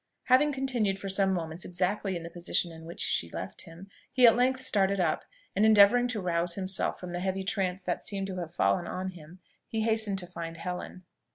Having continued for some moments exactly in the position in which she left him, he at length started up, and endeavouring to rouse himself from the heavy trance that seemed to have fallen on him, he hastened to find Helen.